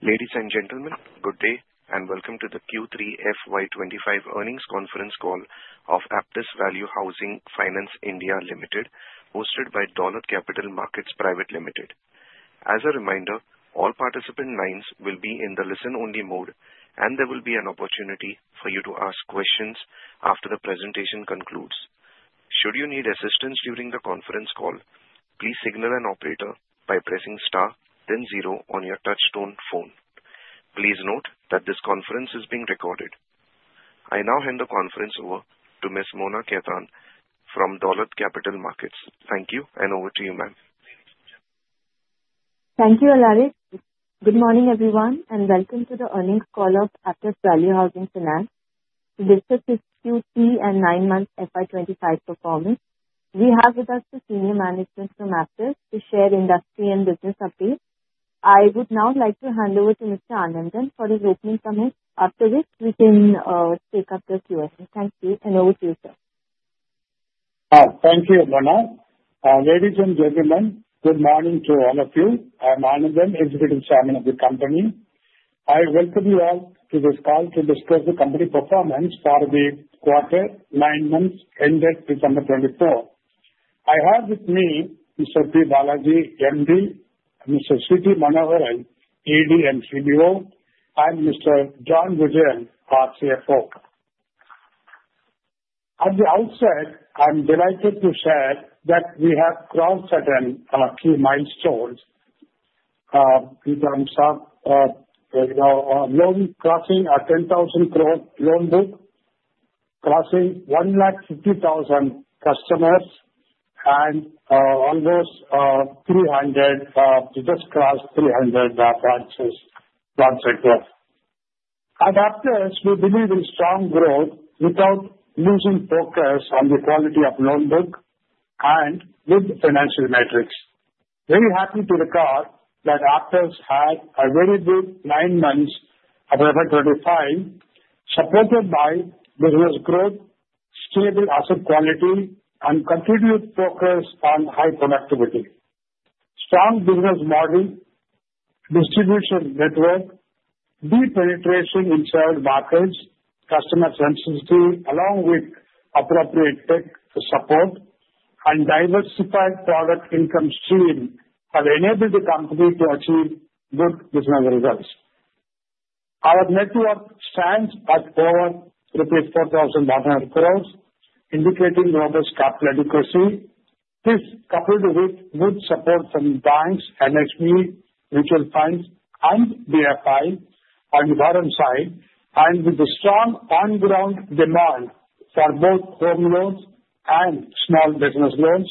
Ladies and gentlemen, good day and welcome to the Q3 FY 2025 earnings conference call of Aptus Value Housing Finance India Limited, hosted by Dolat Capital Market Private Limited. As a reminder, all participant lines will be in the listen-only mode, and there will be an opportunity for you to ask questions after the presentation concludes. Should you need assistance during the conference call, please signal an operator by pressing star, then zero on your touch-tone phone. Please note that this conference is being recorded. I now hand the conference over to Ms. Mona Khetan from Dolat Capital Market. Thank you, and over to you, ma'am. Thank you, Alaric. Good morning, everyone, and welcome to the earnings call of Aptus Value Housing Finance. To discuss its Q3 and nine-month FY 2025 performance, we have with us the senior management from Aptus to share industry and business updates. I would now like to hand over to Mr. Anandan for his opening comments. After this, we can take up the Q&A. Thank you, and over to you, sir. Thank you, Mona. Ladies and gentlemen, good morning to all of you. I'm Anandan, Executive Chairman of the company. I welcome you all to this call to discuss the company performance for the quarter, nine months ended December 2024. I have with me Mr. P. Balaji, MD, Mr. C. N. Manoharan, ED and CBO, and Mr. John Vijayan, CFO. At the outset, I'm delighted to share that we have crossed certain key milestones in terms of loan crossing a 10,000 crore loan book, crossing 150,000 customers, and almost 300, just crossed 300 branches non-sequential. At Aptus, we believe in strong growth without losing focus on the quality of loan book and with financial metrics. Very happy to record that Aptus had a very good nine months of FY 2025, supported by business growth, stable asset quality, and continued focus on high productivity. Strong business model, distribution network, deep penetration in shared markets, customer sensitivity, along with appropriate tech support, and diversified product income stream have enabled the company to achieve good business results. Our net worth stands at over INR 4,100 crore, indicating robust capital adequacy. This, coupled with good support from banks, NHB, mutual funds, and DFI on the borrowing side, and with the strong on-ground demand for both home loans and small business loans,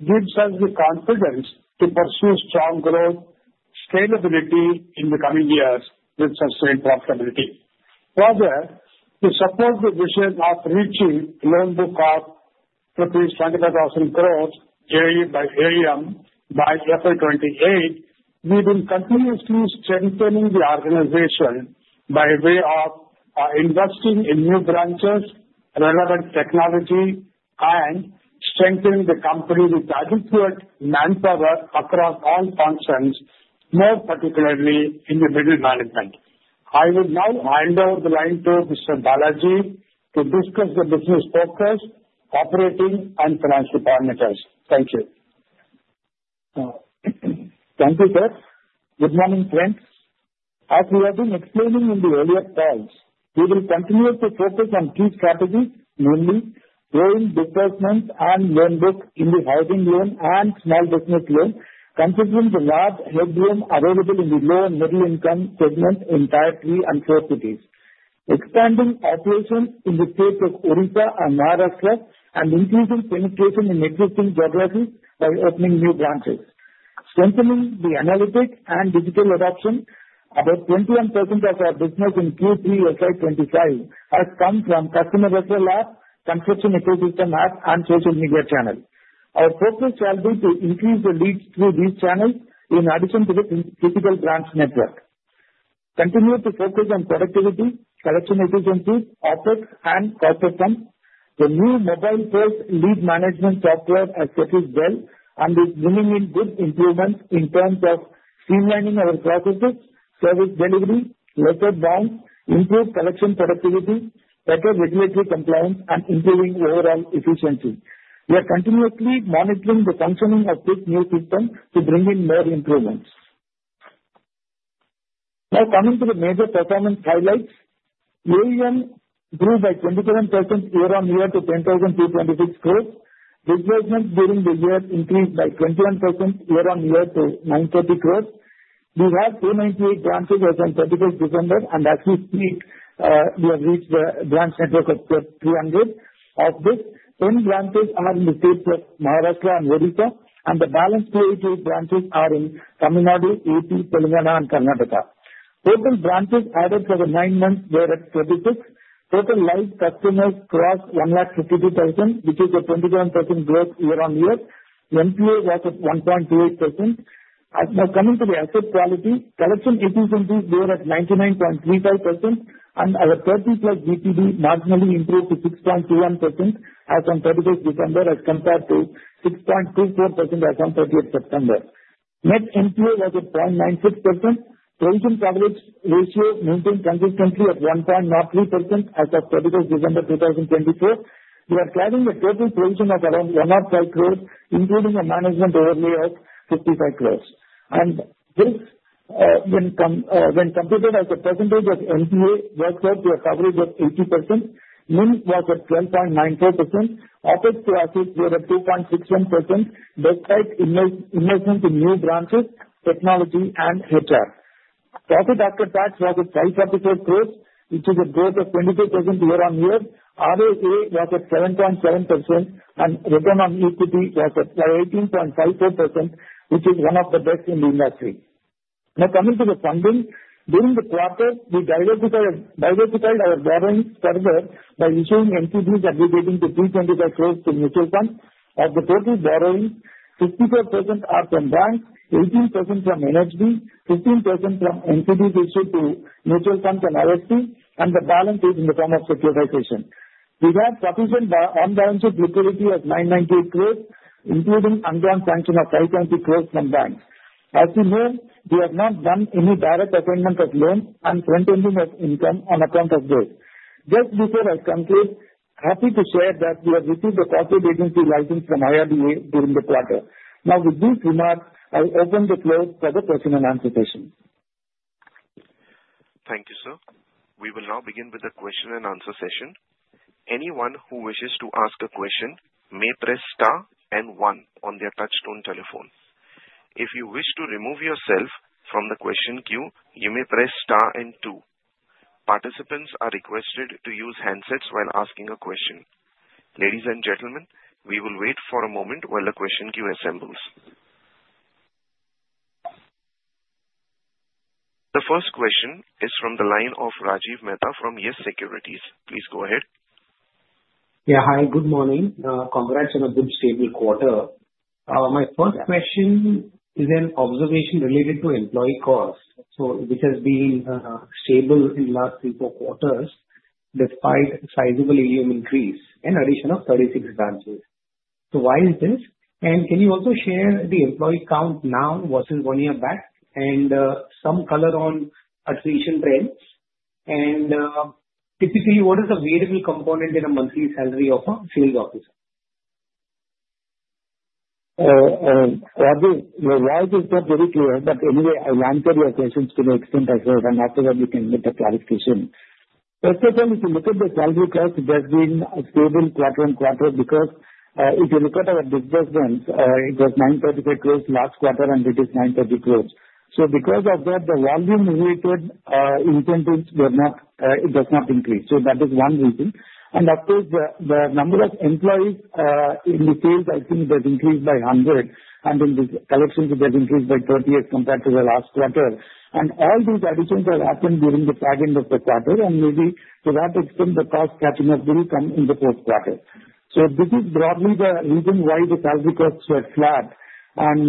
gives us the confidence to pursue strong growth, scalability in the coming years, with sustained profitability. Further, to support the vision of reaching loan book of 25,000 crore year by year by FY 2028, we will continuously strengthen the organization by way of investing in new branches, relevant technology, and strengthening the company with adequate manpower across all functions, more particularly in the middle management. I will now hand over the line to Mr. Balaji to discuss the business focus, operating, and financial parameters. Thank you. Thank you, sir. Good morning, friends. As we have been explaining in the earlier calls, we will continue to focus on key strategies, namely growing disbursement and loan book in the housing loan and small business loan, considering the large headroom available in the low and middle-income segment in Tier 3 and 4 cities, expanding operations in the states of Odisha and Maharashtra, and increasing penetration in existing geographies by opening new branches, strengthening the analytics and digital adoption. About 21% of our business in Q3 FY 2025 has come from customer referral app, connector ecosystem app, and social media channel. Our focus shall be to increase the leads through these channels in addition to the critical branch network. Continue to focus on productivity, selection efficiencies, OpEx, and cost efficiency. The new mobile-first lead management software has settled well and is bringing in good improvements in terms of streamlining our processes, service delivery, better TATs, improved collection productivity, better regulatory compliance, and improving overall efficiency. We are continuously monitoring the functioning of this new system to bring in more improvements. Now coming to the major performance highlights, AUM grew by 27% year-on-year to 10,226 crore. Disbursement during the year increased by 21% year-on-year to INR 930 crore. We have 298 branches as of 31st December, and as we speak, we have reached a branch network of just 300 of this. New branches are in the states of Maharashtra and Odisha, and the balance 288 branches are in Tamil Nadu, UP, Telangana, and Karnataka. Total branches added for the nine months were at 36. Total live customers crossed 152,000, which is a 27% growth year-on-year. NPA was at 1.28%. Now coming to the asset quality, collection efficiencies were at 99.35%, and our 30+ DPD marginally improved to 6.21% as of 31st December as compared to 6.24% as of 30th September. Net NPA was at 0.96%. Provision coverage ratio maintained consistently at 1.03% as of 31st December 2024. We are carrying the total provision of around 105 crore, including a management overlay of 55 crore, and this when computed as a percentage of NPA was at a coverage of 80%. NIM was at 12.94%. OpEx to assets were at 2.61% despite investment in new branches, technology, and HR. Profit after tax was at INR 5.4 crore, which is a growth of 22% year-on-year. ROA was at 7.7%, and return on equity was at 18.54%, which is one of the best in the industry. Now coming to the funding, during the quarter, we diversified our borrowing further by issuing NCDs aggregating to 325 crore to mutual funds. Of the total borrowing, 64% are from banks, 18% from NHB, 15% from NCDs issued to mutual funds and IFC, and the balance is in the form of securitization. We have on-balance sheet liquidity of 998 crore, including undrawn sanction of 520 crore from banks. As you know, we have not done any direct assignment of loans and front-ending of income on account of this. Just before I conclude, happy to share that we have received a corporate agency license from IRDAI during the quarter. Now, with these remarks, I'll open the floor for the question and answer session. Thank you, sir. We will now begin with the question and answer session. Anyone who wishes to ask a question may press star and one on their touch-tone telephone. If you wish to remove yourself from the question queue, you may press star and two. Participants are requested to use handsets while asking a question. Ladies and gentlemen, we will wait for a moment while the question queue assembles. The first question is from the line of Rajiv Mehta from YES Securities. Please go ahead. Yeah, hi. Good morning. Congrats on a good stable quarter. My first question is an observation related to employee costs. So this has been stable in the last three or four quarters despite sizable AUM increase in addition of 36 branches. So why is this? And can you also share the employee count now versus one year back and some color on attrition trends? And typically, what is the variable component in a monthly salary of a sales officer? Rajiv, the why is not very clear, but anyway, I'll answer your questions to the extent I can, and after that, we can make a clarification. First of all, if you look at the salary cost, it has been stable quarter on quarter because if you look at our disbursements, it was 935 crores last quarter, and it is 930 crores. So because of that, the volume-related incentives does not increase. So that is one reason. And of course, the number of employees in the sales, I think, has increased by 100, and in the collections, it has increased by 38 compared to the last quarter. And all these additions have happened during the second of the quarter, and maybe to that extent, the cost catching up will come in the fourth quarter. So this is broadly the reason why the salary costs were flat. And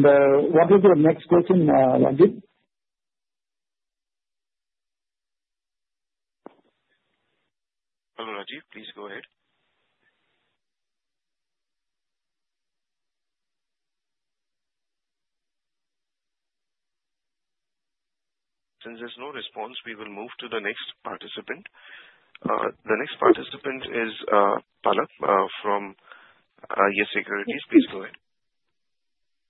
what is your next question, Rajiv? Hello, Rajiv. Please go ahead. Since there's no response, we will move to the next participant. The next participant is Palak from YES Securities. Please go ahead.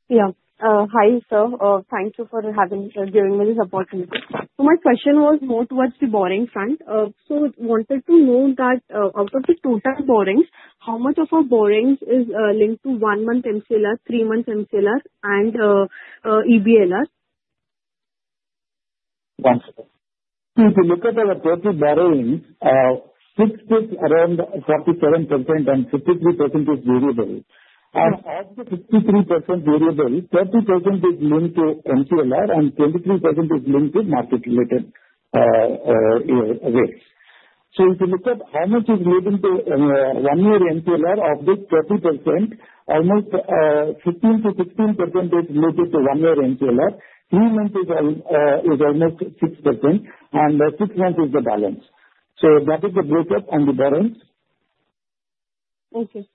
Yeah. Hi, sir. Thank you for giving me this opportunity. So my question was more towards the borrowing front. So I wanted to know that out of the total borrowings, how much of our borrowings is linked to one-month MCLR, three-month MCLR, and EBLR? If you look at our total borrowings, 60% is around 47%, and 53% is variable. And of the 53% variable, 30% is linked to MCLR, and 23% is linked to market-related rates. So if you look at how much is relating to one-year MCLR, of this 30%, almost 15% to 16% is related to one-year MCLR. Three months is almost 6%, and six months is the balance. So that is the breakup on the borrowings. Okay.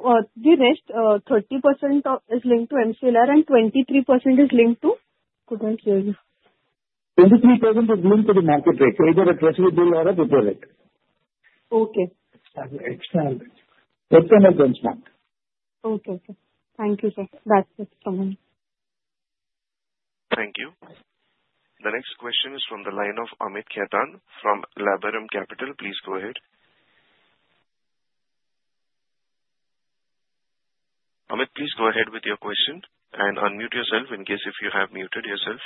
The rest, 30% is linked to MCLR, and 23% is linked to? Couldn't hear you. 23% is linked to the market rate, either a treasury bill or a paper rate. Okay. Excellent. Excellent. Excellent benchmark. Okay. Okay. Thank you, sir. That's it from me. Thank you. The next question is from the line of Amit Khetan from Laburnum Capital. Please go ahead. Amit, please go ahead with your question and unmute yourself in case if you have muted yourself.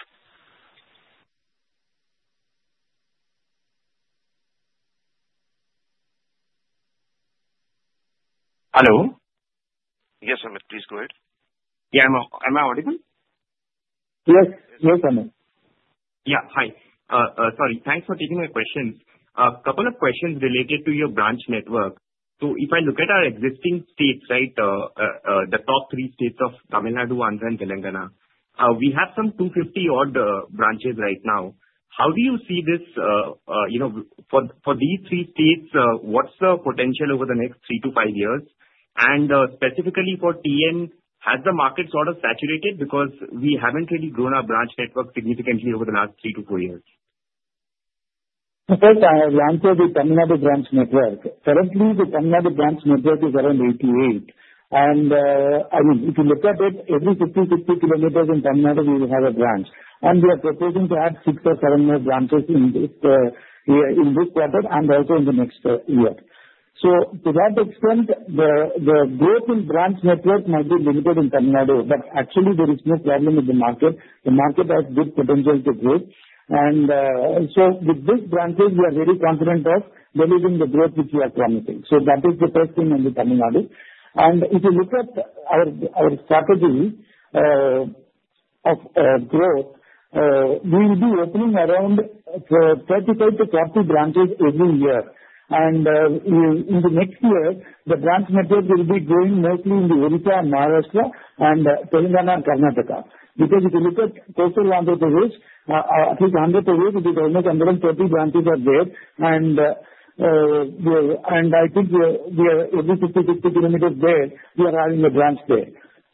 Hello? Yes, Amit. Please go ahead. Yeah. Am I audible? Yes. Yes, Amit. Yeah. Hi. Sorry. Thanks for taking my questions. A couple of questions related to your branch network. So if I look at our existing states, right, the top three states of Tamil Nadu, Andhra, and Telangana, we have some 250-odd branches right now. How do you see this for these three states? What's the potential over the next three to five years? And specifically for TN, has the market sort of saturated? Because we haven't really grown our branch network significantly over the last three to four years. Because I have gone through the Tamil Nadu branch network. Currently, the Tamil Nadu branch network is around 88, and I mean, if you look at it, every 50-60 km in Tamil Nadu, we will have a branch. We are proposing to add six or seven more branches in this quarter and also in the next year. To that extent, the growth in branch network might be limited in Tamil Nadu, but actually, there is no problem in the market. The market has good potential to grow. With these branches, we are very confident of delivering the growth which we are promising. That is the first thing on the Tamil Nadu. If you look at our strategy of growth, we will be opening around 35-40 branches every year. In the next year, the branch network will be growing mostly in Odisha, Maharashtra, and Telangana, and Karnataka. Because if you look at coastal Andhra Pradesh, I think Andhra Pradesh, it is almost 130 branches are there. And I think we are every 50, 60 kilometers there, we are adding a branch there.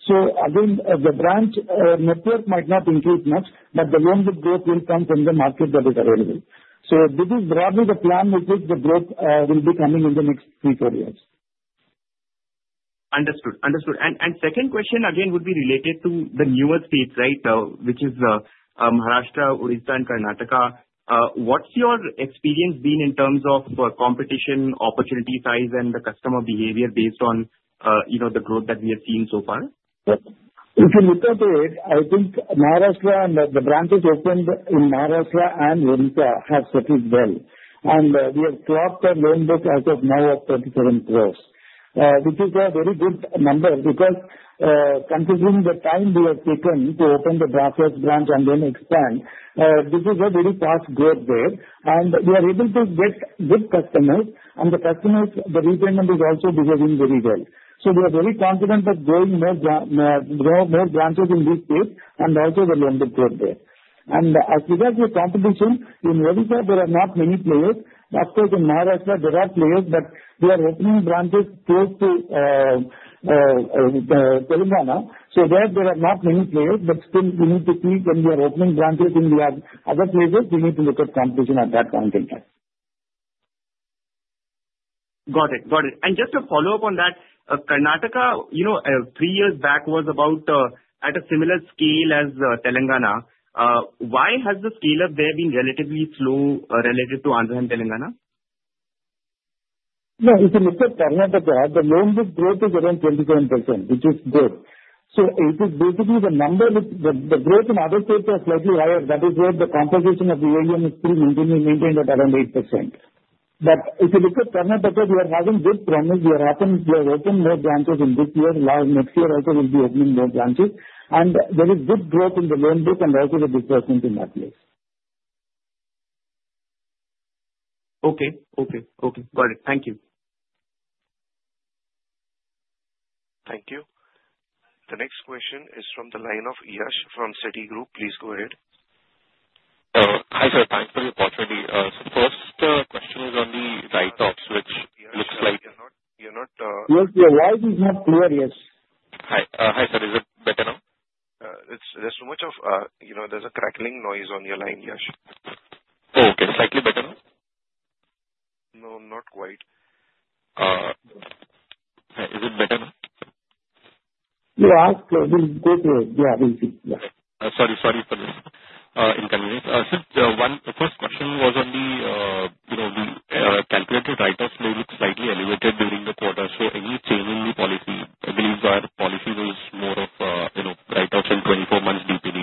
So again, the branch network might not increase much, but the loan book growth will come from the market that is available. So this is broadly the plan which is the growth will be coming in the next three to four years. Understood. Understood. And second question again would be related to the newer states, right, which is Maharashtra, Odisha, and Karnataka. What's your experience been in terms of competition, opportunity size, and the customer behavior based on the growth that we have seen so far? If you look at it, I think Maharashtra and the branches opened in Maharashtra and Odisha have settled well. And we have clocked our loan book as of now of 37 crores, which is a very good number because considering the time we have taken to open the Bhusawal branch and then expand, this is a very fast growth there. And we are able to get good customers, and the customers, the repayment is also behaving very well. So we are very confident of growing more branches in these states and also the loan book growth there. And as regards to competition, in Odisha, there are not many players. Of course, in Maharashtra, there are players, but we are opening branches close to Telangana. So, there are not many players, but still, we need to see when we are opening branches in the other places. We need to look at competition at that point in time. Got it. Got it. And just to follow-up on that, Karnataka, three years back was about at a similar scale as Telangana. Why has the scale-up there been relatively slow relative to Andhra and Telangana? If you look at Karnataka, the loan book growth is around 27%, which is good, so it is basically the number, the growth in other states is slightly higher. That is why the composition of the AUM is still maintained at around 8%. If you look at Karnataka, we are having good progress. We are opening more branches in this year. Next year also, we'll be opening more branches. There is good growth in the loan book and also the disbursement in that place. Okay. Got it. Thank you. Thank you. The next question is from the line of Yash from Citigroup. Please go ahead. Hi, sir. Thanks for the opportunity. So first question is on the write-offs, which looks like you're not. Yes, the why is not clear, yes. Hi, sir. Is it better now? There's a crackling noise on your line, Yash. Oh, okay. Slightly better now? No, not quite. Is it better now? You asked closely. It's good. Yeah, I think it's yeah. Sorry. Sorry for the inconvenience. The first question was on the calculated write-offs may look slightly elevated during the quarter. So any change in the policy? I believe our policy was more of write-offs in 24 months DPD.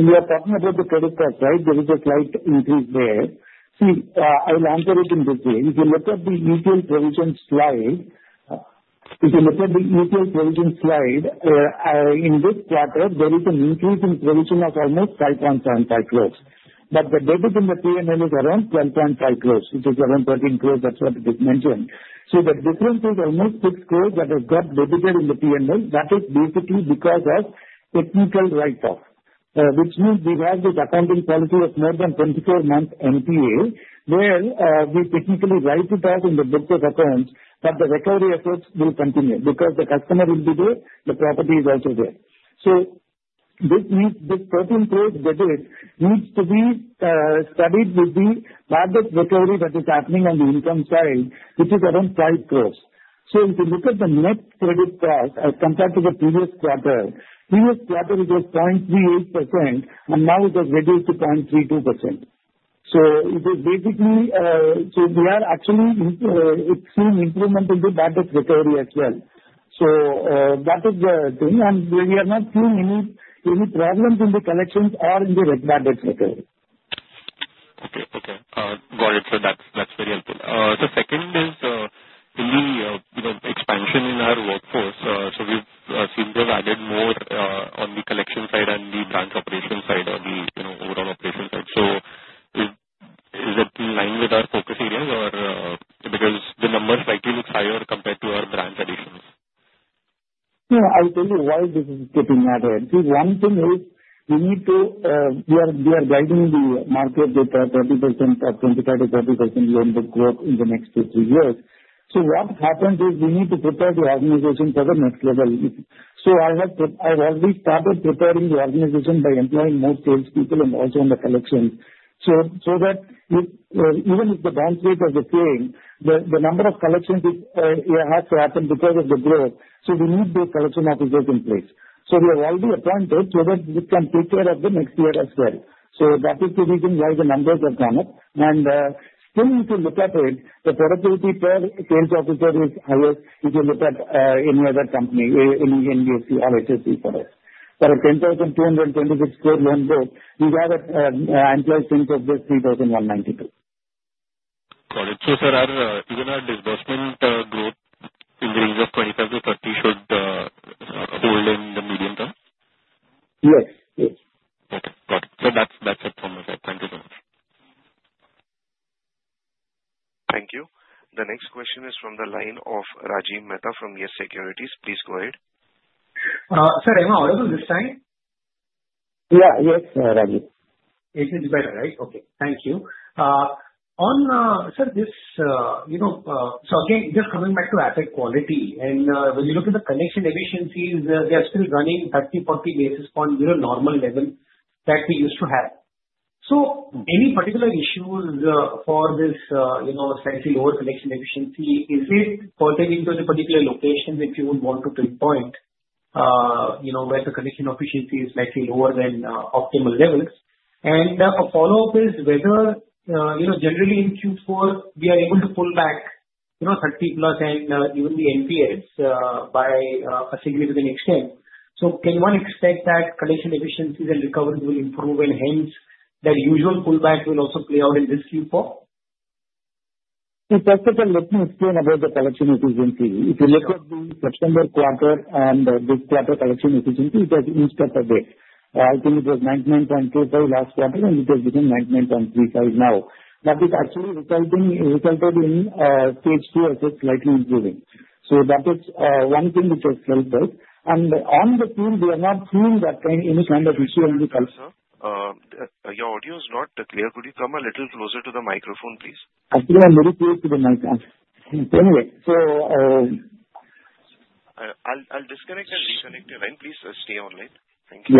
We are talking about the credit card, right? There is a slight increase there. See, I'll answer it in detail. If you look at the ECL provision slide, if you look at the ECL provision slide, in this quarter, there is an increase in provision of almost 5.75 crores. But the debit in the P&L is around 12.5 crores, which is around 13 crores. That's what it is mentioned. So the difference is almost 6 crores that has got debited in the P&L. That is basically because of technical write-off, which means we have this accounting policy of more than 24-month MPA, where we technically write it off in the book of accounts, but the recovery efforts will continue because the customer will be there, the property is also there. So this means this INR 13 crores debit needs to be studied with the market recovery that is happening on the income side, which is around 5 crores. So if you look at the net credit cost as compared to the previous quarter, previous quarter, it was 0.38%, and now it has reduced to 0.32%. So it is basically so we are actually seeing improvement in the market recovery as well. So that is the thing. And we are not seeing any problems in the collections or in the recorded recovery. Okay. Okay. Got it, sir. That's very helpful. The second is in the expansion in our workforce. So we've seen you've added more on the collection side and the branch operation side or the overall operation side. So is that in line with our focus areas or because the number slightly looks higher compared to our branch additions? Yeah. I'll tell you why this is getting added. See, one thing is we are guiding the market with 30% or 25%-40% loan book growth in the next two, three years. So what happens is we need to prepare the organization for the next level. So I have already started preparing the organization by employing more salespeople and also in the collections. So that even if the downswing is occurring, the number of collections has to happen because of the growth. So we need these collection officers in place. So we have already appointed so that we can take care of the next year as well. So that is the reason why the numbers have gone up. And still, if you look at it, the productivity per sales officer is higher if you look at any other company, any NBFC or HFC for us. For a 10,226 crore loan book, we have an employee strength of just INR 3,192 crore. Got it. So, sir, even our disbursement growth in the range of 25%-30% should hold in the medium term? Yes. Yes. Okay. Got it. So that's it from my side. Thank you so much. Thank you. The next question is from the line of Rajiv Mehta from YES Securities. Please go ahead. Sir, am I audible this time? Yeah. Yes, Rajiv. It is better, right? Okay. Thank you. Sir, so again, just coming back to asset quality. When you look at the collection efficiencies, they are still running 30-40 basis points below normal level that we used to have. So any particular issues for this slightly lower collection efficiency? Is it pertaining to the particular locations that you would want to pinpoint where the collection efficiency is slightly lower than optimal levels? A follow-up is whether generally in Q4, we are able to pull back 30+ and even the NPLs by a significant extent. So can one expect that collection efficiencies and recovery will improve and hence that usual pullback will also play out in this Q4? It's just that I'm looking at the collection efficiency. If you look at the September quarter and this quarter collection efficiency, it has increased a bit. I think it was 99.25% last quarter, and it has become 99.35% now. That is actually resulting in stage two assets slightly improving. So that is one thing which has helped us. And on the field, we are not seeing any kind of issue in the. Sir, your audio is not clear. Could you come a little closer to the microphone, please? Actually, I'm very close to the mic. Anyway, so. I'll disconnect and reconnect you. Please stay online. Thank you.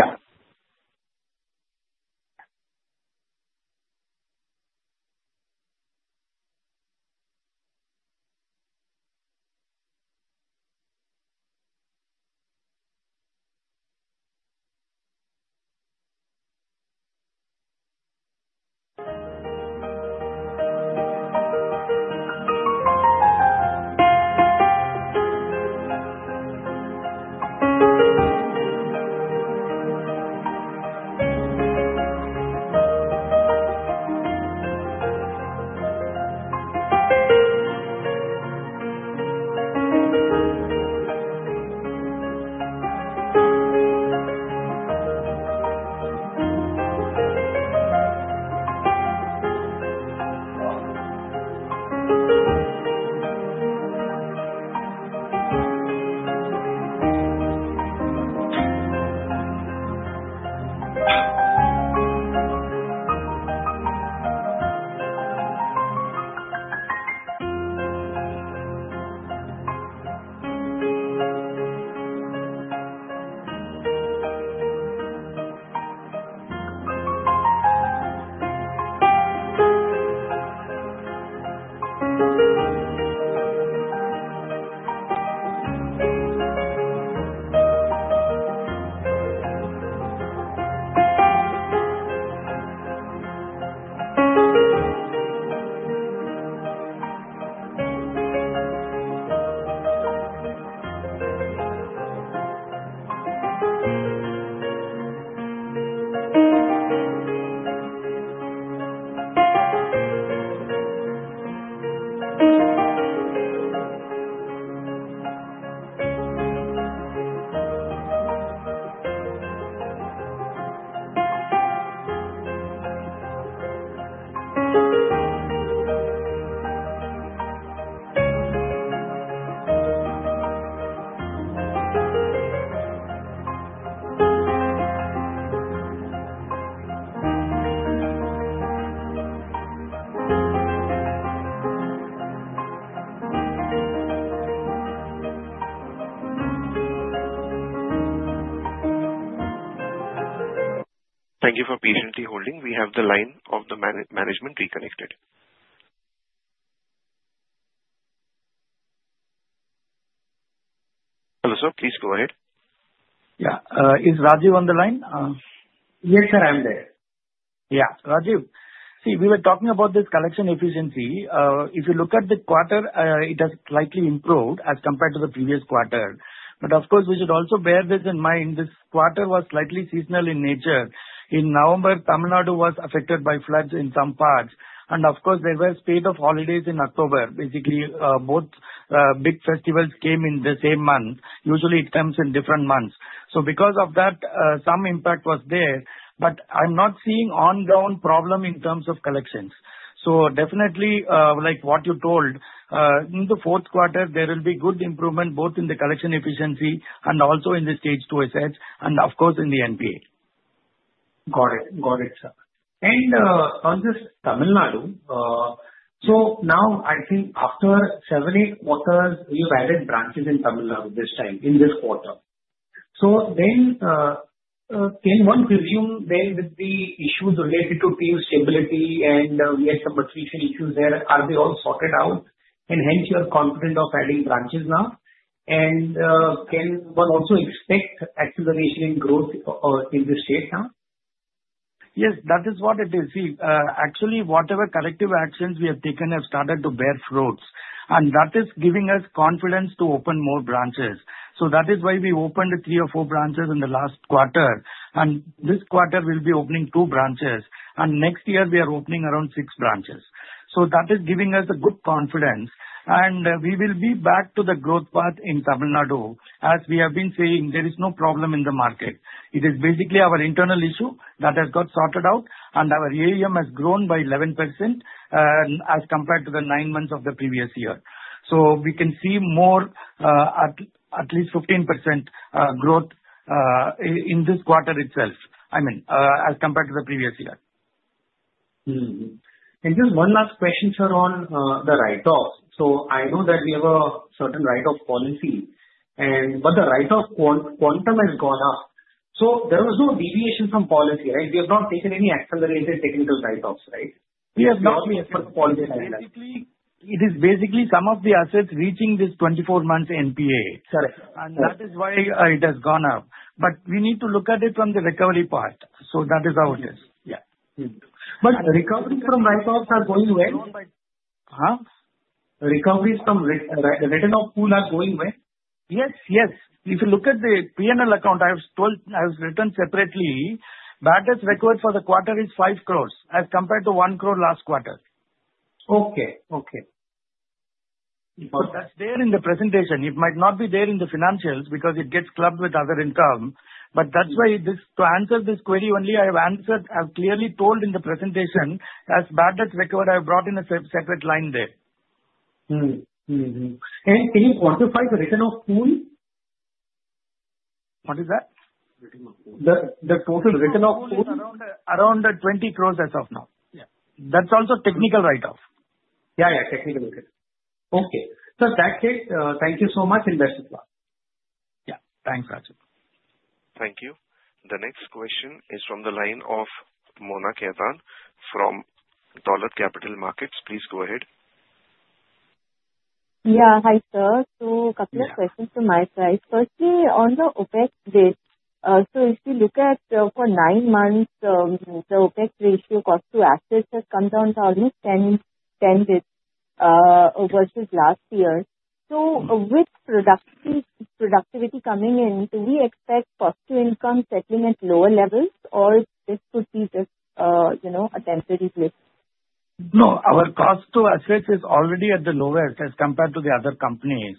Yeah. Thank you for patiently holding. We have the line of the management reconnected. Hello, sir. Please go ahead. Yeah. Is Rajiv on the line? Yes, sir. I'm there. Yeah. Rajiv, see, we were talking about this collection efficiency. If you look at the quarter, it has slightly improved as compared to the previous quarter. But of course, we should also bear this in mind. This quarter was slightly seasonal in nature. In November, Tamil Nadu was affected by floods in some parts. And of course, there were spate of holidays in October. Basically, both big festivals came in the same month. Usually, it comes in different months. So because of that, some impact was there. But I'm not seeing ongoing problem in terms of collections. So definitely, like what you told, in the fourth quarter, there will be good improvement both in the collection efficiency and also in the stage two assets and, of course, in the NPA. Got it. Got it, sir. And on this Tamil Nadu, so now I think after seven-eight quarters, we have added branches in Tamil Nadu this time in this quarter. So then can one presume then with the issues related to team stability and we had some attrition issues there, are they all sorted out? And hence, you're confident of adding branches now? And can one also expect acceleration in growth in this state now? Yes. That is what it is. See, actually, whatever corrective actions we have taken have started to bear fruits, and that is giving us confidence to open more branches, so that is why we opened three or four branches in the last quarter, and this quarter, we'll be opening two branches, and next year, we are opening around six branches, so that is giving us a good confidence, and we will be back to the growth path in Tamil Nadu. As we have been saying, there is no problem in the market. It is basically our internal issue that has got sorted out, and our AUM has grown by 11% as compared to the nine months of the previous year, so we can see more at least 15% growth in this quarter itself, I mean, as compared to the previous year. And just one last question, sir, on the write-offs. So I know that we have a certain write-off policy. But the write-off quantum has gone up. So there was no deviation from policy, right? We have not taken any accelerated technical write-offs, right? We have not taken any accelerated technical write-off. It is basically some of the assets reaching this 24-month NPA. Correct. And that is why it has gone up. But we need to look at it from the recovery part. So that is how it is. Yeah. But recoveries from write-offs are going well. Huh? Recoveries from written-off pool are going well? Yes. Yes. If you look at the P&L account, I have written separately, bad debt provision for the quarter is 5 crores as compared to 1 crore last quarter. Okay. Okay. But that's there in the presentation. It might not be there in the financials because it gets clubbed with other income. But that's why to answer this query only, I have answered as clearly told in the presentation as bad debt recovery, I have brought in a separate line there. Can you quantify the written-off pool? What is that? The total written-off pool? Around 20 crores as of now. That's also Technical Write-Off. Yeah. Yeah. Technical write-off. Okay. So in that case, thank you so much and best of luck. Yeah. Thanks, Rajiv. Thank you. The next question is from the line of Mona Khetan from Dolat Capital Market. Please go ahead. Yeah. Hi, sir. So a couple of questions to my side. Firstly, on the OpEx rate, so if you look at, for nine months, the OpEx ratio cost to assets has come down to almost 10% versus last year. So with productivity coming in, do we expect cost to income settling at lower levels, or this could be just a temporary drift? No. Our cost to assets is already at the lowest as compared to the other companies.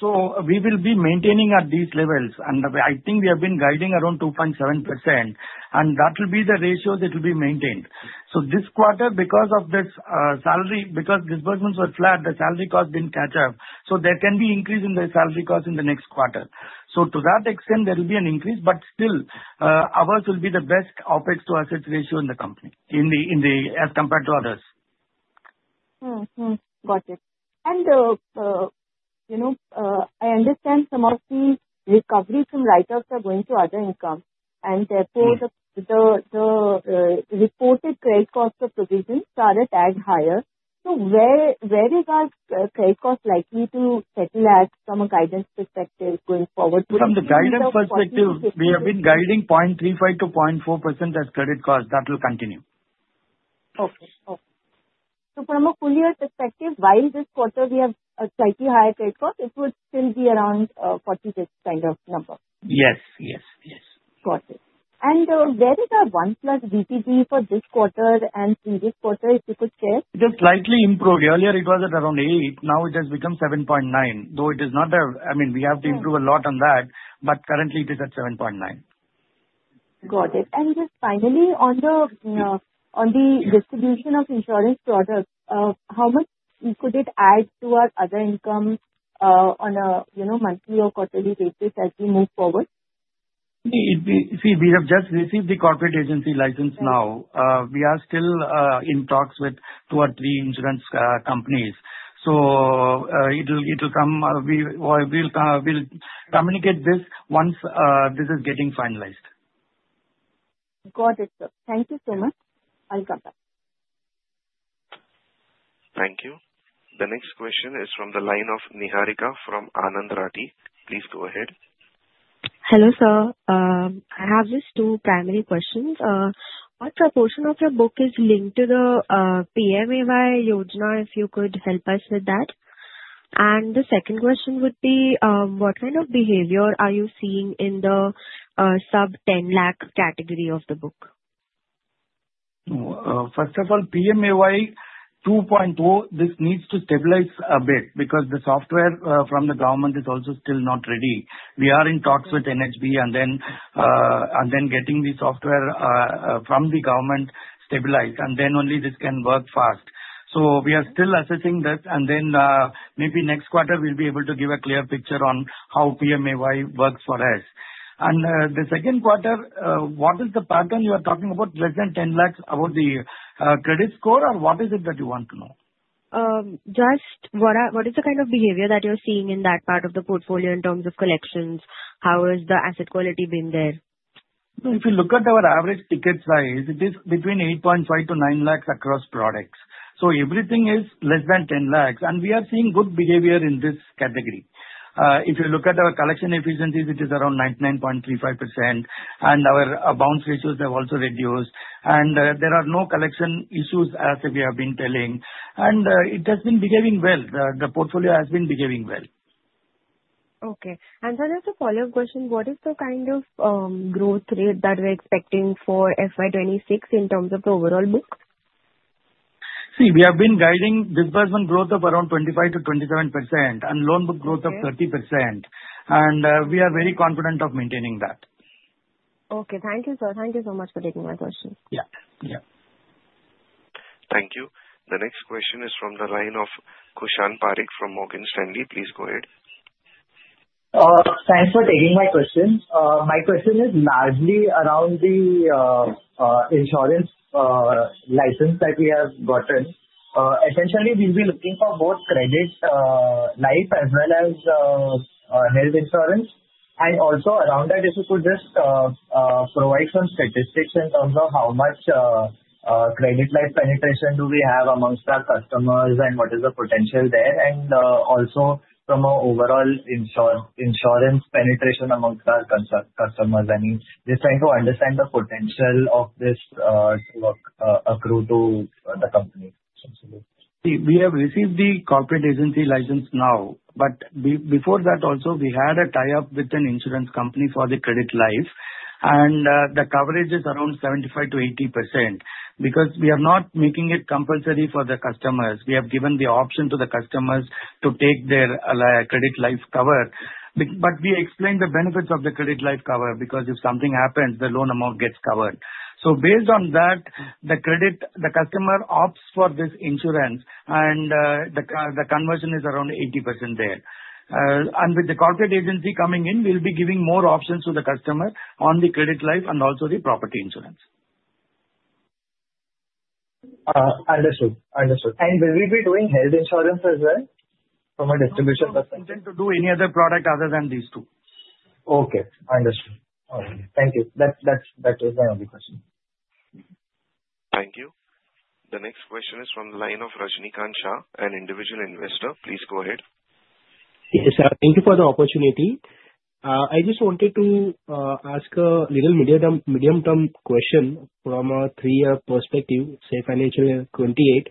So we will be maintaining at these levels. And I think we have been guiding around 2.7%. And that will be the ratio that will be maintained. So this quarter, because of this salary, because disbursements were flat, the salary cost didn't catch up. So there can be increase in the salary cost in the next quarter. So to that extent, there will be an increase. But still, ours will be the best OpEx to assets ratio in the company as compared to others. Got it. And I understand some of the recoveries from write-offs are going to other income. And therefore, the reported credit cost of provision started at higher. So where is our credit cost likely to settle at from a guidance perspective going forward? From the guidance perspective, we have been guiding 0.35%-0.4% as credit cost. That will continue. Okay. So from a full-year perspective, while this quarter, we have a slightly higher credit cost, it would still be around 46 kind of number? Yes. Yes. Yes. Got it. And where is our one-plus vintage for this quarter and previous quarter, if you could share? It has slightly improved. Earlier, it was at around eight. Now, it has become 7.9. Though it is not a I mean, we have to improve a lot on that. But currently, it is at 7.9. Got it. And just finally, on the distribution of insurance products, how much could it add to our other income on a monthly or quarterly basis as we move forward? See, we have just received the corporate agency license now. We are still in talks with two or three insurance companies. So, it will come, we will communicate this once this is getting finalized. Got it, sir. Thank you so much. I'll come back. Thank you. The next question is from the line of Niharika from Anand Rathi. Please go ahead. Hello, sir. I have just two primary questions. What proportion of your book is linked to the PMAY Yojana? If you could help us with that. And the second question would be, what kind of behavior are you seeing in the sub-10 lakh category of the book? First of all, PMAY 2.0, this needs to stabilize a bit because the software from the government is also still not ready. We are in talks with NHB and then getting the software from the government stabilized. And then only this can work fast. So we are still assessing that. And then maybe next quarter, we'll be able to give a clear picture on how PMAY works for us. And the second quarter, what is the pattern you are talking about? Less than 10 lakhs about the credit score, or what is it that you want to know? Just what is the kind of behavior that you're seeing in that part of the portfolio in terms of collections? How has the asset quality been there? If you look at our average ticket size, it is between 8.5 lakhs-9 lakhs across products, so everything is less than 10 lakhs, and we are seeing good behavior in this category. If you look at our collection efficiencies, it is around 99.35%, and our bounce ratios have also reduced, and there are no collection issues as we have been telling, and it has been behaving well. The portfolio has been behaving well. Okay. And then as a follow-up question, what is the kind of growth rate that we're expecting for FY 2026 in terms of the overall book? See, we have been guiding disbursement growth of around 25%-27% and loan book growth of 30%. And we are very confident of maintaining that. Okay. Thank you, sir. Thank you so much for taking my question. Yeah. Yeah. Thank you. The next question is from the line of Kushan Parikh from Morgan Stanley. Please go ahead. Thanks for taking my question. My question is largely around the insurance license that we have gotten. Essentially, we'll be looking for both credit life as well as health insurance. And also around that, if you could just provide some statistics in terms of how much credit life penetration do we have amongst our customers and what is the potential there. And also from an overall insurance penetration amongst our customers. I mean, just trying to understand the potential of this to accrue to the company. See, we have received the corporate agency license now. But before that, also, we had a tie-up with an insurance company for the credit life. And the coverage is around 75%-80% because we are not making it compulsory for the customers. We have given the option to the customers to take their credit life cover. But we explain the benefits of the credit life cover because if something happens, the loan amount gets covered. So based on that, the customer opts for this insurance. And the conversion is around 80% there. And with the corporate agency coming in, we'll be giving more options to the customer on the credit life and also the property insurance. Understood. Understood. And will we be doing health insurance as well from a distribution perspective? We don't intend to do any other product other than these two. Okay. Understood. All right. Thank you. That was my only question. Thank you. The next question is from the line of Rajnikant Shah, an individual investor. Please go ahead. Yes, sir. Thank you for the opportunity. I just wanted to ask a little medium-term question from a three-year perspective, say, financial year 2028.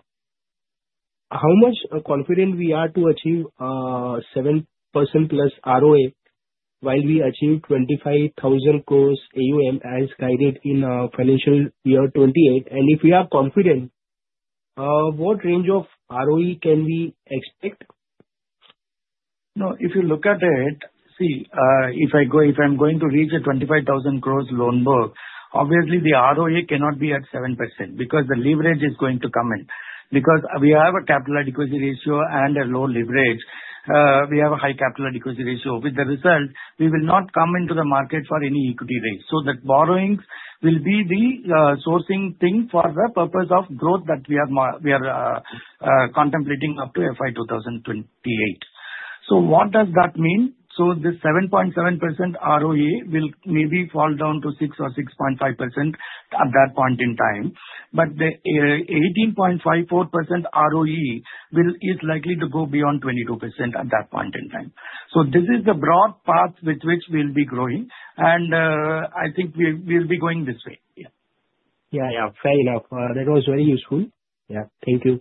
How much confident we are to achieve 7%+ ROA while we achieve 25,000 crores AUM as guided in financial year 2028? And if we are confident, what range of ROE can we expect? No. If you look at it, see, if I'm going to reach a 25,000 crores loan book, obviously, the ROE cannot be at 7% because the leverage is going to come in. Because we have a capital adequacy ratio and a low leverage, we have a high capital adequacy ratio. With the result, we will not come into the market for any equity rate. So the borrowings will be the sourcing thing for the purpose of growth that we are contemplating up to FY 2028. So what does that mean? So this 7.7% ROE will maybe fall down to 6% or 6.5% at that point in time. But the 18.54% ROE is likely to go beyond 22% at that point in time. So this is the broad path with which we'll be growing. And I think we'll be going this way. Yeah. Yeah. Yeah. Fair enough. That was very useful. Yeah. Thank you.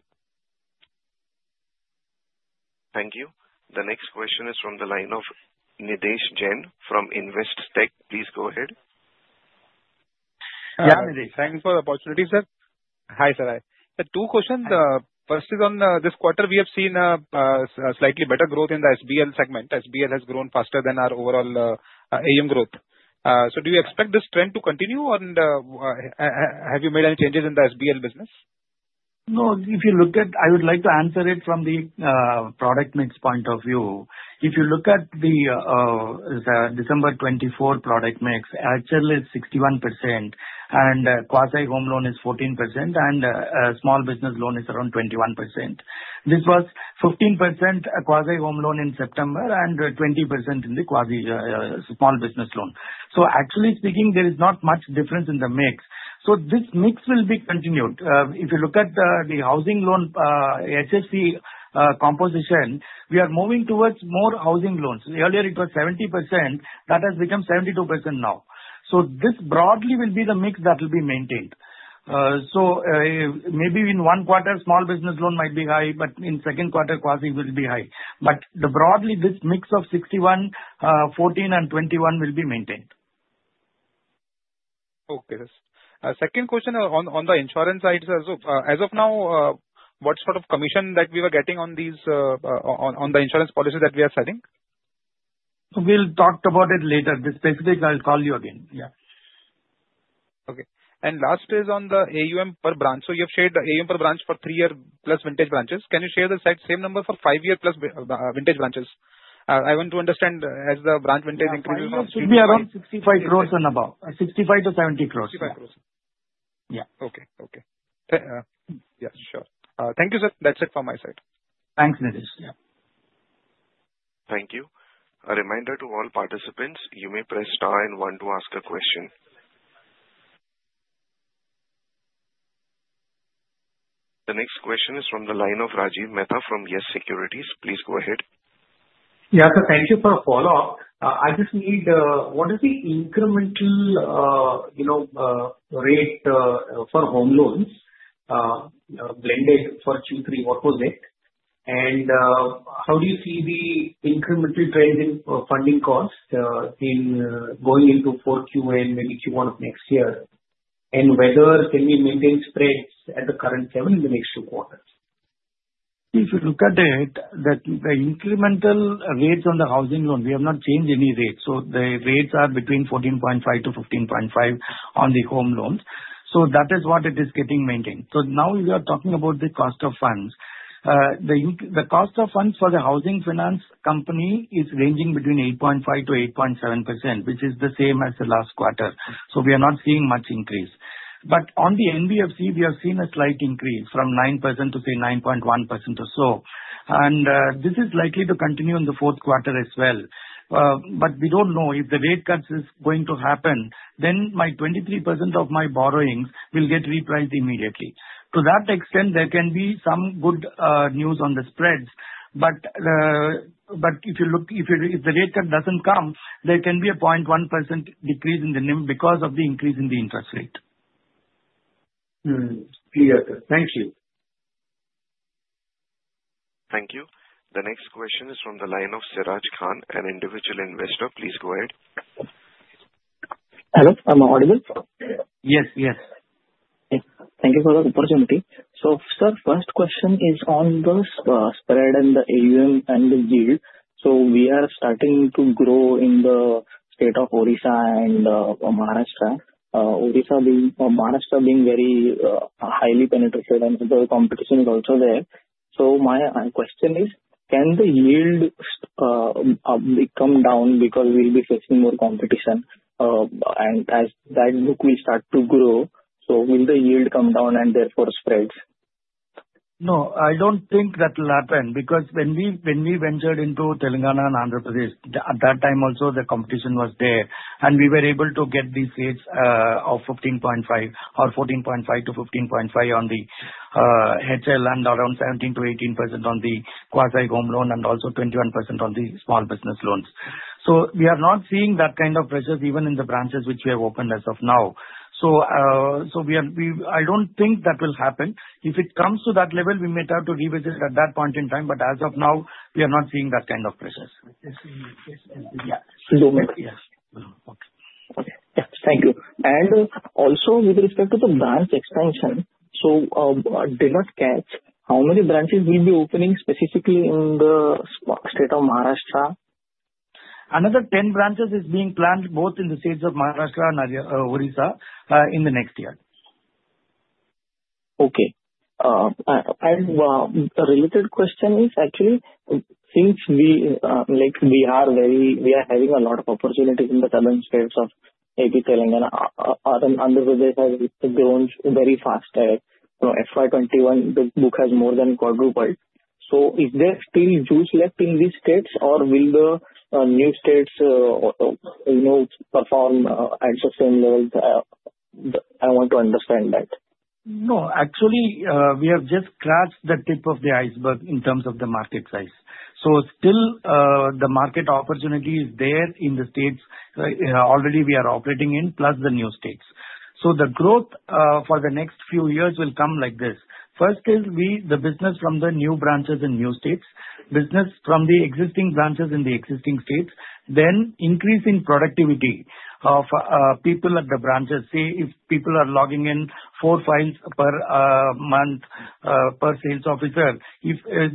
Thank you. The next question is from the line of Nidhesh Jain from Investec. Please go ahead. Yeah, I'm Nidhesh. Thank you for the opportunity, sir. Hi, sir. The two questions. First is on this quarter, we have seen a slightly better growth in the SBL segment. SBL has grown faster than our overall AUM growth. So do you expect this trend to continue? And have you made any changes in the SBL business? No. If you look at, I would like to answer it from the product mix point of view. If you look at the December 2024 product mix, actual is 61%. And quasi-home loan is 14%. And small business loan is around 21%. This was 15% quasi-home loan in September and 20% in the small business loan. So actually speaking, there is not much difference in the mix. So this mix will be continued. If you look at the housing loan HFC composition, we are moving towards more housing loans. Earlier, it was 70%. That has become 72% now. This broadly will be the mix that will be maintained. Maybe in one quarter, small business loan might be high, but in second quarter, quasi will be high. Broadly, this mix of 61, 14, and 21 will be maintained. Okay. Second question on the insurance side is, as of now, what sort of commission that we were getting on the insurance policy that we are selling? We'll talk about it later. This specific, I'll call you again. Yeah. Okay. And last is on the AUM per branch. So you have shared the AUM per branch for three-year plus vintage branches. Can you share the same number for five-year plus vintage branches? I want to understand as the branch vintage increases. AUM should be around 65 crores and above. 65 crores-70 crores. Yeah. Okay. Okay. Yeah. Sure. Thank you, sir. That's it from my side. Thanks, Nidhesh. Yeah. Thank you. A reminder to all participants, you may press star and one to ask a question. The next question is from the line of Rajiv Mehta from YES Securities. Please go ahead. Yeah. So thank you for a follow-up. I just need, what is the incremental rate for home loans blended for Q3? What was it? And how do you see the incremental trend in funding costs going into 4Q and maybe Q1 of next year? And can we maintain spreads at the current level in the next two quarters? If you look at it, the incremental rates on the housing loan, we have not changed any rates. So the rates are between 14.5%-15.5% on the home loans. So that is what it is getting maintained. So now, if you are talking about the cost of funds, the cost of funds for the housing finance company is ranging between 8.5%-8.7%, which is the same as the last quarter. So we are not seeing much increase. But on the NBFC, we have seen a slight increase from 9% to, say, 9.1% or so. And this is likely to continue in the fourth quarter as well. But we don't know. If the rate cuts is going to happen, then my 23% of my borrowings will get repriced immediately. To that extent, there can be some good news on the spreads. But if you look, if the rate cut doesn't come, there can be a 0.1% decrease in the NIM because of the increase in the interest rate. Clear. Thank you. Thank you. The next question is from the line of Siraj Khan, an individual investor. Please go ahead. Hello. I'm audible? Yes. Yes. Thank you for the opportunity. So sir, first question is on the spread and the AUM and the yield. So we are starting to grow in the state of Odisha and Maharashtra. Maharashtra being very highly penetrated, and the competition is also there. So my question is, can the yield come down because we'll be facing more competition? And as that book will start to grow, so will the yield come down and therefore spreads? No. I don't think that will happen because when we ventured into Telangana and Andhra Pradesh, at that time also, the competition was there. And we were able to get these rates of 15.5% or 14.5% to 15.5% on the HL and around 17%-18% on the quasi-home loan and also 21% on the small business loans. So we are not seeing that kind of pressures even in the branches which we have opened as of now. So I don't think that will happen. If it comes to that level, we may have to revisit at that point in time. But as of now, we are not seeing that kind of pressures. Yes. Okay. Yeah. Thank you. And also, with respect to the branch expansion, so did not catch how many branches will be opening specifically in the state of Maharashtra? Another 10 branches is being planned both in the states of Maharashtra and Odisha in the next year. Okay. And a related question is, actually, since we are having a lot of opportunities in the southern states of AP, Telangana, and Andhra Pradesh has grown very fast, FY 2021, the book has more than quadrupled. So is there still juice left in these states, or will the new states perform at the same level? I want to understand that. No. Actually, we have just scratched the tip of the iceberg in terms of the market size. So still, the market opportunity is there in the states already we are operating in, plus the new states. So the growth for the next few years will come like this. First is the business from the new branches in new states, business from the existing branches in the existing states, then increase in productivity of people at the branches. Say if people are logging in four files per month per sales officer,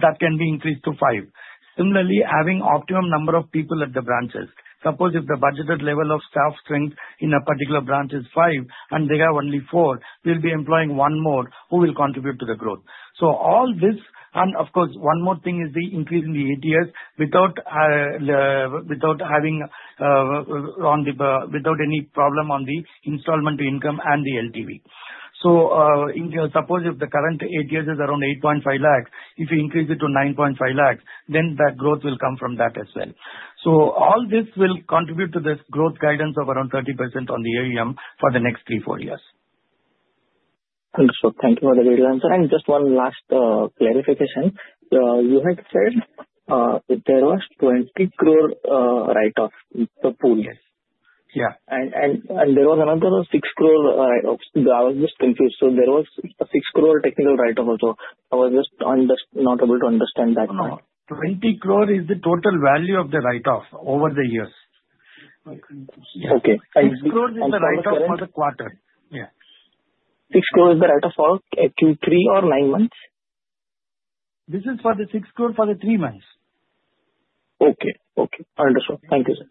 that can be increased to five. Similarly, having an optimum number of people at the branches. Suppose if the budgeted level of staff strength in a particular branch is five, and they have only four, we'll be employing one more who will contribute to the growth. So all this, and of course, one more thing is the increase in the ATS without having any problem on the installment to income and the LTV. So suppose if the current ATS is around 8.5 lakhs, if you increase it to 9.5 lakhs, then that growth will come from that as well. So all this will contribute to the growth guidance of around 30% on the AUM for the next three, four years. Thank you for the detailed answer. And just one last clarification. You had said there was 20 crore write-off in the pool. Yeah. There was another 6 crore write-off. I was just confused. There was a 6 crore technical write-off also. I was just not able to understand that. 20 crore is the total value of the write-off over the years. Okay. And 6 crore is the write-off for the quarter. Yeah. 6 crore is the write-off for Q3 or nine months? This is for the 6 crore for the three months. Okay. Okay. Understood. Thank you, sir.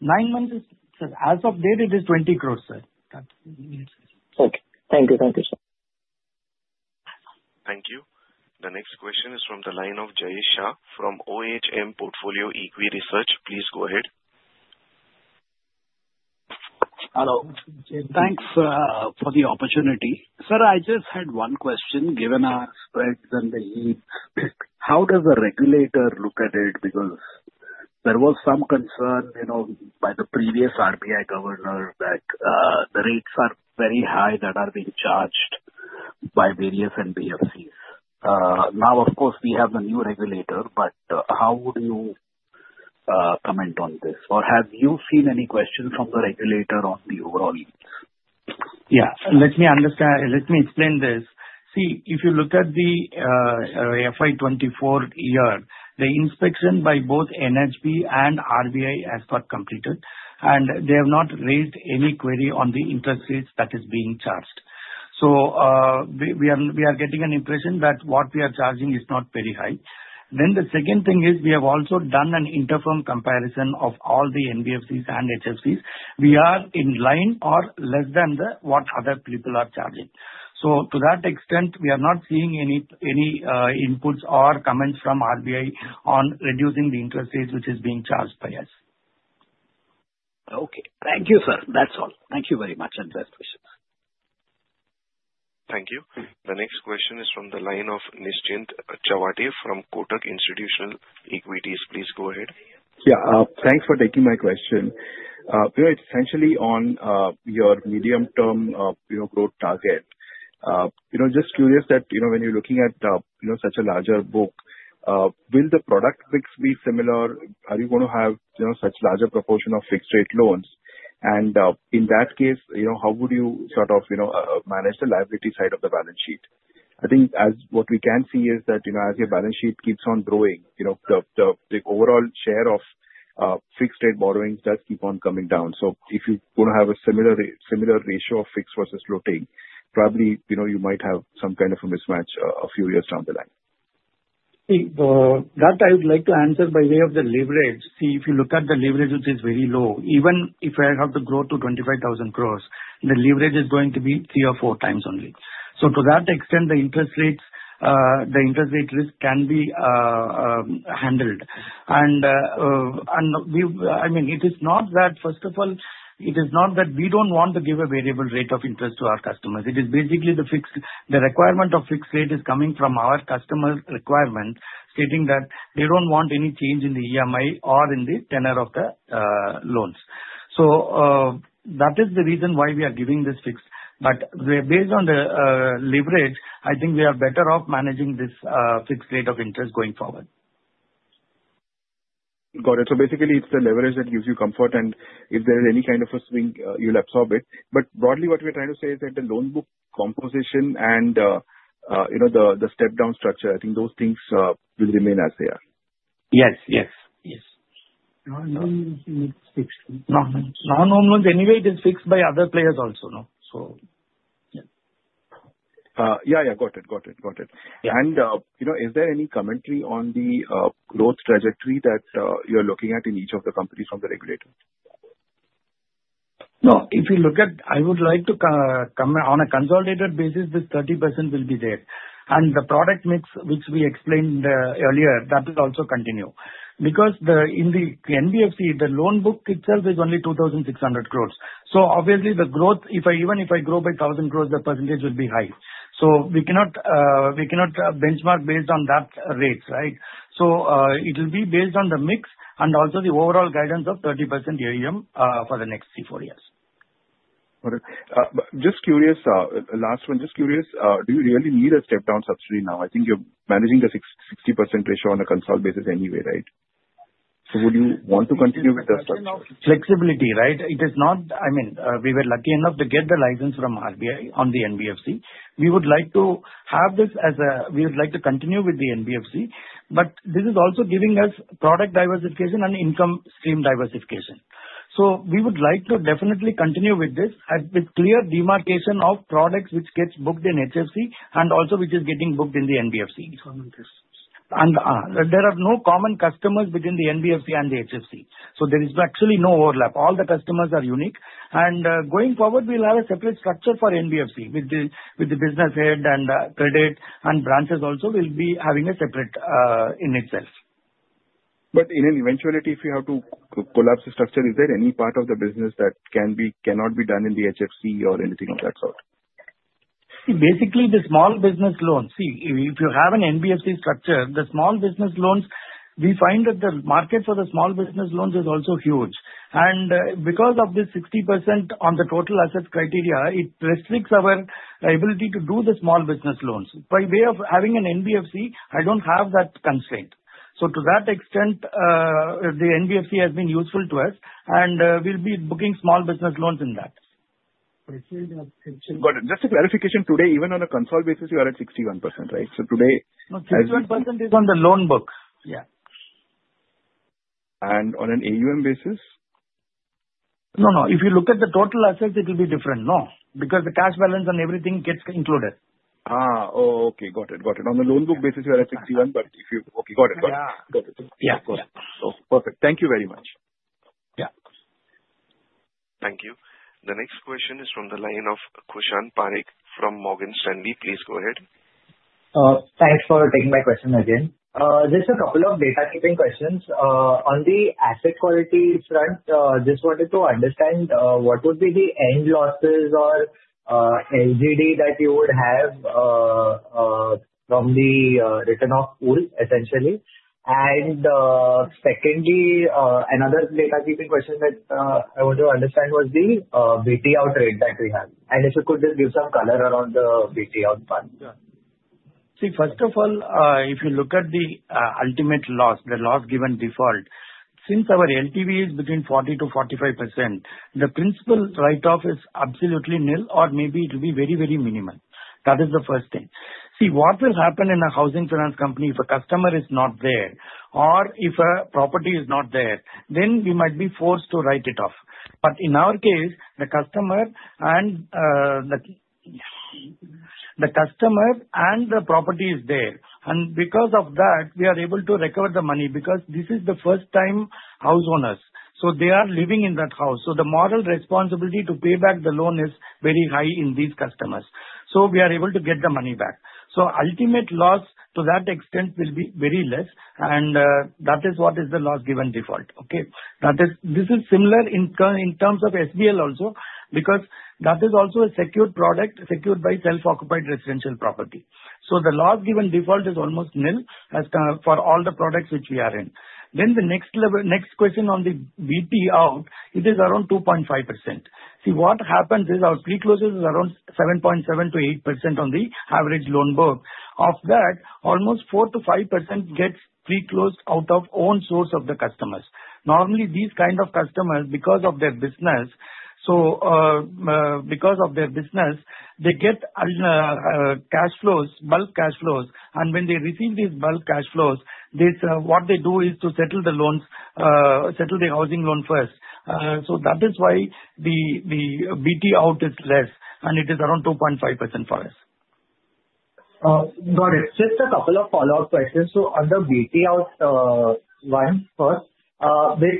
Nine months, sir. As of date, it is 20 crore, sir. Okay. Thank you. Thank you, sir. Thank you. The next question is from the line of Jayesh Shah from Ohm Portfolio Equities. Please go ahead. Hello. Thanks for the opportunity. Sir, I just had one question. Given our spreads and the yields, how does the regulator look at it? Because there was some concern by the previous RBI governor that the rates are very high that are being charged by various NBFCs. Now, of course, we have the new regulator, but how would you comment on this? Or have you seen any questions from the regulator on the overall yields? Yeah. Let me explain this. See, if you look at the FY 2024 year, the inspection by both NHB and RBI has got completed. And they have not raised any query on the interest rates that are being charged. So we are getting an impression that what we are charging is not very high. Then the second thing is we have also done an interim comparison of all the NBFCs and HFCs. We are in line or less than what other people are charging. So to that extent, we are not seeing any inputs or comments from RBI on reducing the interest rates which are being charged by us. Okay. Thank you, sir. That's all. Thank you very much and best wishes. Thank you. The next question is from the line of Nischint Chawathe from Kotak Institutional Equities. Please go ahead. Yeah. Thanks for taking my question. Essentially, on your medium-term growth target, just curious that when you're looking at such a larger book, will the product mix be similar? Are you going to have such a larger proportion of fixed-rate loans? And in that case, how would you sort of manage the liability side of the balance sheet? I think what we can see is that as your balance sheet keeps on growing, the overall share of fixed-rate borrowings does keep on coming down. So if you're going to have a similar ratio of fixed versus floating, probably you might have some kind of a mismatch a few years down the line. See, that I would like to answer by way of the leverage. See, if you look at the leverage, which is very low, even if I have to grow to 25,000 crores, the leverage is going to be three or four times only. So to that extent, the interest rate risk can be handled. And I mean, it is not that, first of all, it is not that we don't want to give a variable rate of interest to our customers. It is basically the requirement of fixed rate is coming from our customer requirement stating that they don't want any change in the EMI or in the tenor of the loans. So that is the reason why we are giving this fixed. But based on the leverage, I think we are better off managing this fixed rate of interest going forward. Got it. So basically, it's the leverage that gives you comfort. And if there is any kind of a swing, you'll absorb it. But broadly, what we're trying to say is that the loan book composition and the step-down structure, I think those things will remain as they are. Yes. Yes. Yes. No. No home loans anyway, it is fixed by other players also. No. So yeah. Yeah. Got it. And is there any commentary on the growth trajectory that you're looking at in each of the companies from the regulator? No. If you look at, I would like to comment on a consolidated basis. This 30% will be there, and the product mix, which we explained earlier, that will also continue, because in the NBFC, the loan book itself is only 2,600 crores, so obviously, the growth, even if I grow by 1,000 crores, the percentage will be high, so we cannot benchmark based on that rate, right, so it will be based on the mix and also the overall guidance of 30% AUM for the next three, four years. Got it. Just curious, last one, just curious, do you really need a step-down subsidiary now? I think you're managing the 60% ratio on a consolidated basis anyway, right? So would you want to continue with the subsidiary? Flexibility, right? It is not. I mean, we were lucky enough to get the license from RBI on the NBFC. We would like to have this as a we would like to continue with the NBFC. But this is also giving us product diversification and income stream diversification. So we would like to definitely continue with this with clear demarcation of products which get booked in HFC and also which is getting booked in the NBFC. And there are no common customers between the NBFC and the HFC. So there is actually no overlap. All the customers are unique. And going forward, we'll have a separate structure for NBFC with the business head and credit and branches also will be having a separate in itself. But in an eventuality, if you have to collapse the structure, is there any part of the business that cannot be done in the HFC or anything of that sort? Basically, the small business loans. See, if you have an NBFC structure, the small business loans, we find that the market for the small business loans is also huge. And because of this 60% on the total asset criteria, it restricts our ability to do the small business loans. By way of having an NBFC, I don't have that constraint. So to that extent, the NBFC has been useful to us. And we'll be booking small business loans in that. Got it. Just a clarification. Today, even on a consolidated basis, you are at 61%, right? So today. No, 61% is on the loan book. Yeah. On an AUM basis? No. No. If you look at the total assets, it will be different. No. Because the cash balance and everything gets included. Oh, okay. Got it. On the loan book basis, you are at 61%, but if you okay. Got it. Yeah. Of course. So perfect. Thank you very much. Yeah. Thank you. The next question is from the line of Kushan Parikh from Morgan Stanley. Please go ahead. Thanks for taking my question again. Just a couple of housekeeping questions. On the asset quality front, just wanted to understand what would be the end losses or LGD that you would have from the run-off pool, essentially. And secondly, another housekeeping question that I want to understand was the BT out rate that we have. And if you could just give some color around the BT out part. Yeah. See, first of all, if you look at the ultimate loss, the loss given default, since our LTV is between 40%-45%, the principal write-off is absolutely nil or maybe it will be very, very minimal. That is the first thing. See, what will happen in a housing finance company if a customer is not there or if a property is not there, then we might be forced to write it off. But in our case, the customer and the property is there. And because of that, we are able to recover the money because this is the first-time house owners. So they are living in that house. So the moral responsibility to pay back the loan is very high in these customers. So we are able to get the money back. So ultimate loss to that extent will be very less. That is what is the loss given default. Okay? This is similar in terms of SBL also because that is also a secured product secured by self-occupied residential property. So the loss given default is almost nil for all the products which we are in. Then the next question on the BT out, it is around 2.5%. See, what happens is our pre-closures are around 7.7%-8% on the average loan book. Of that, almost 4%-5% gets pre-closed out of own source of the customers. Normally, these kinds of customers, because of their business, they get bulk cash flows. And when they receive these bulk cash flows, what they do is to settle the housing loan first. So that is why the BT out is less. And it is around 2.5% for us. Got it. Just a couple of follow-up questions. So on the BT out one first, with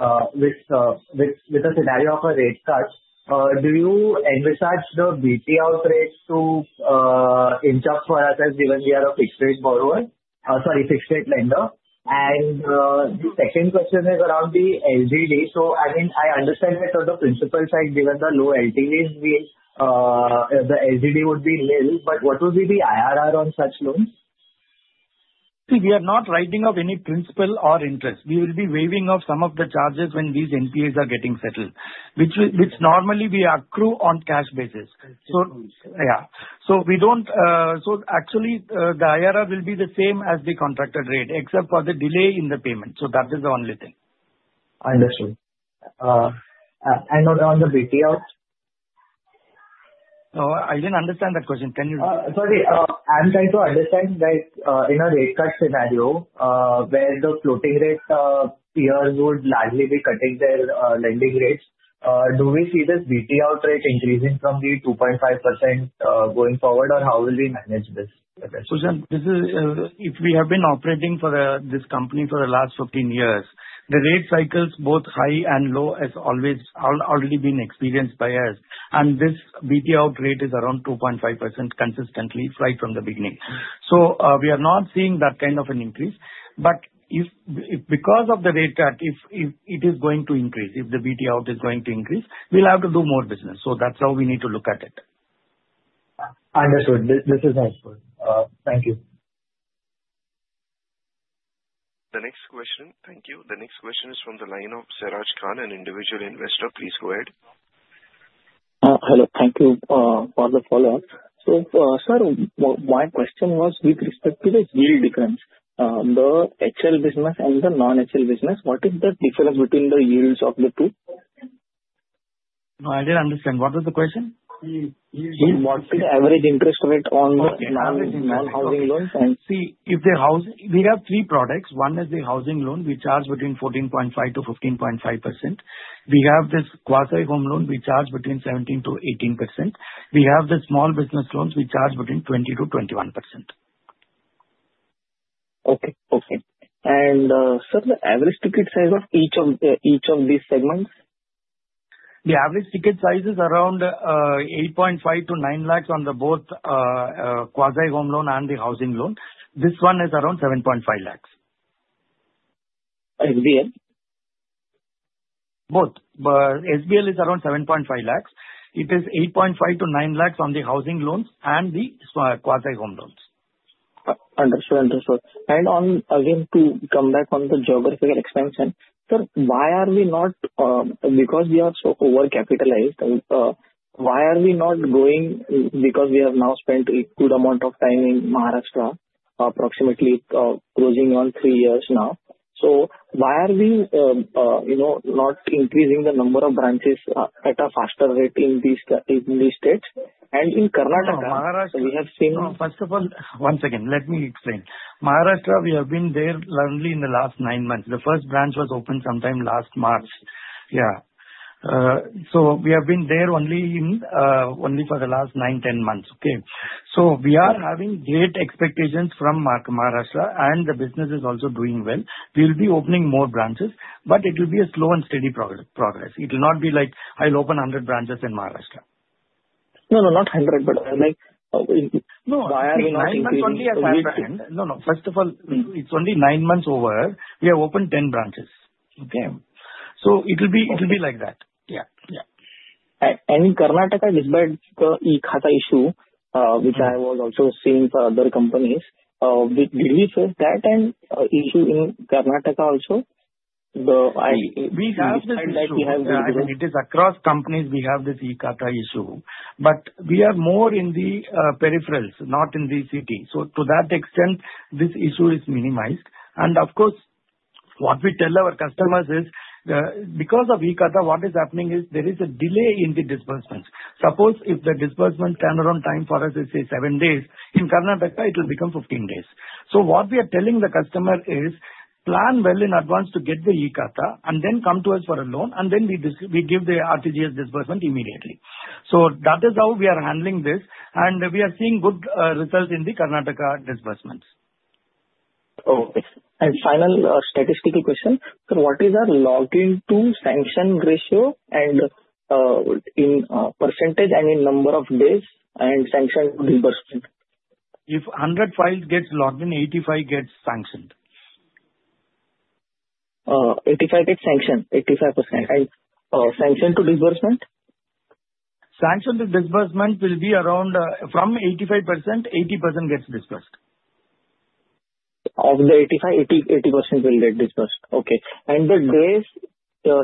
a scenario of a rate cut, do you envisage the BT out rate to inch up for assets given we are a fixed-rate borrower? Sorry, fixed-rate lender. And the second question is around the LGD. So I mean, I understand that on the principal side, given the low LTV, the LGD would be nil. But what would be the IRR on such loans? See, we are not writing off any principal or interest. We will be waiving off some of the charges when these NPAs are getting settled, which normally we accrue on cash basis. So yeah. So actually, the IRR will be the same as the contracted rate, except for the delay in the payment. So that is the only thing. Understood. And on the BT out? No, I didn't understand that question. Can you? Sorry. I'm trying to understand that in a rate cut scenario where the floating rate peers would largely be cutting their lending rates, do we see this BT out rate increasing from the 2.5% going forward, or how will we manage this? Kushan, if we have been operating for this company for the last 15 years, the rate cycles, both high and low, have already been experienced by us. And this BT out rate is around 2.5% consistently right from the beginning. So we are not seeing that kind of an increase. But because of the rate cut, if it is going to increase, if the BT out is going to increase, we'll have to do more business. So that's how we need to look at it. Understood. This is nicely put. Thank you. The next question. Thank you. The next question is from the line of Siraj Khan, an individual investor. Please go ahead. Hello. Thank you for the follow-up. So sir, my question was with respect to the yield difference, the HL business and the non-HL business, what is the difference between the yields of the two? No, I didn't understand. What was the question? See, what's the average interest rate on non-housing loans? See, if they're housing, we have three products. One is the housing loan, we charge between 14.5%-15.5%. We have this quasi-home loan, we charge between 17%-18%. We have the small business loans, we charge between 20%-21%. Okay. And sir, the average ticket size of each of these segments? The average ticket size is around 8.5-9 lakhs on both quasi-home loan and the home loan. This one is around 7.5 lakhs. SBL? Both. SBL is around 7.5 lakhs. It is 8.5 to 9 lakhs on the housing loans and the quasi-home loans. Understood. Understood. And again, to come back on the geographical expansion, sir, why are we not because we are so over-capitalized, why are we not going because we have now spent a good amount of time in Maharashtra, approximately closing on three years now? So why are we not increasing the number of branches at a faster rate in these states? And in Karnataka, we have seen. First of all, once again, let me explain. Maharashtra, we have been there only in the last nine months. The first branch was opened sometime last March. Yeah. So we have been there only for the last nine, 10 months. Okay? So we are having great expectations from Maharashtra, and the business is also doing well. We'll be opening more branches, but it will be a slow and steady progress. It will not be like I'll open 100 branches in Maharashtra. No, no, not 100, but like. No, nine months only as I understand. No, no. First of all, it's only nine months over. We have opened 10 branches. Okay? So it will be like that. Yeah. Yeah. In Karnataka, despite the E-Khata issue, which I was also seeing for other companies, did we face that issue in Karnataka also? We have this issue. It is across companies. We have this E-Khata issue. But we are more in the peripheries, not in the city. So to that extent, this issue is minimized. And of course, what we tell our customers is because of E-Khata, what is happening is there is a delay in the disbursements. Suppose if the disbursement turnaround time for us is, say, seven days, in Karnataka, it will become 15 days. So what we are telling the customer is, "Plan well in advance to get the E-Khata, and then come to us for a loan, and then we give the RTGS disbursement immediately." So that is how we are handling this. And we are seeing good results in the Karnataka disbursements. Okay, and final statistical question. Sir, what is our login to sanction ratio and in percentage and in number of days and sanction to disbursement? If 100 files get logged in, 85 get sanctioned. 85% get sanctioned. 85%. And sanction to disbursement? Sanction to disbursement will be around from 85%, 80% gets disbursed. Of the 85, 80% will get disbursed. Okay. And the days,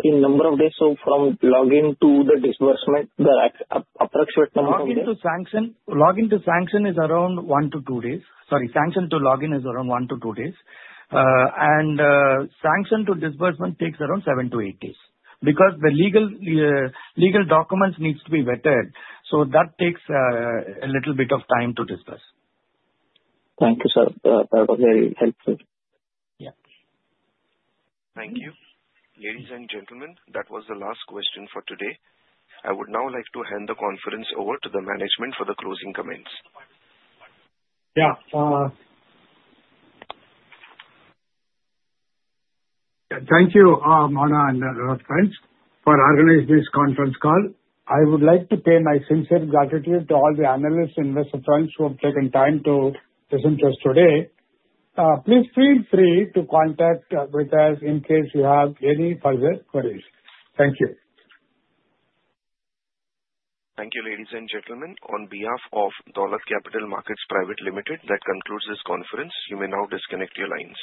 in number of days, so from login to the disbursement, the approximate number of days? Login to sanction is around one to two days. Sorry, sanction to login is around one to two days. And sanction to disbursement takes around seven to eight days because the legal documents need to be vetted. So that takes a little bit of time to disburse. Thank you, sir. That was very helpful. Thank you. Ladies and gentlemen, that was the last question for today. I would now like to hand the conference over to the management for the closing comments. Yeah. Thank you, Mona and her friends, for organizing this conference call. I would like to pay my sincere gratitude to all the analysts, investor friends who have taken time to present to us today. Please feel free to contact with us in case you have any further queries. Thank you. Thank you, ladies and gentlemen. On behalf of Dolat Capital Market Private Limited, that concludes this conference. You may now disconnect your lines.